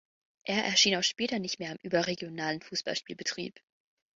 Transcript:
Er erschien auch später nicht mehr im überregionalen Fußballspielbetrieb.